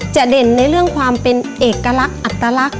เด่นในเรื่องความเป็นเอกลักษณ์อัตลักษณ์